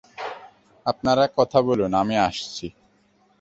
আপনারা কথা বলুন, আমি আসছি।